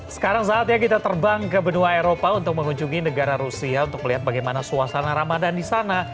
sekarang saatnya kita terbang ke benua eropa untuk mengunjungi negara rusia untuk melihat bagaimana suasana ramadan di sana